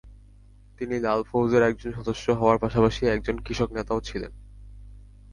তিনি লাল ফৌজের একজন সদস্য হওয়ার পাশাপাশি একজন কৃষক নেতাও ছিলেন।